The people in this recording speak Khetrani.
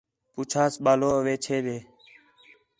پُچھاس ٻالو اوے چھے ݙے